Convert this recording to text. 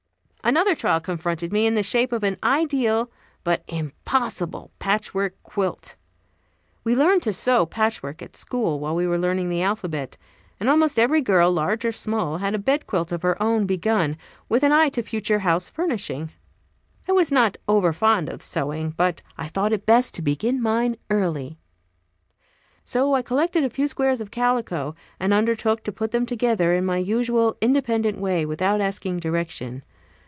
Another trial confronted me in the shape of an ideal but impossible patchwork quilt. We learned to sew patchwork at school, while we were learning the alphabet; and almost every girl, large or small, had a bed quilt of her own begun, with an eye to future house furnishing. I was not over fond of sewing, but I thought it best to begin mine early. So I collected a few squares of calico, and undertook to put them together in my usual independent way, without asking direction.